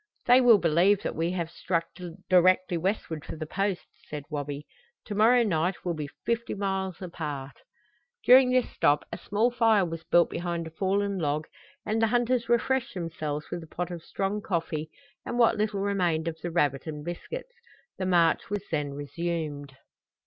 "They will believe that we have struck directly westward for the Post," said Wabi. "To morrow night we'll be fifty miles apart." During this stop a small fire was built behind a fallen log and the hunters refreshed themselves with a pot of strong coffee and what little remained of the rabbit and biscuits. The march was then resumed.